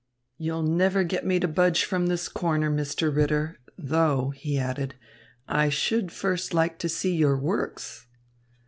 "You'll never get me to budge from this corner, Mr. Ritter though," he added, "I should first like to see your works."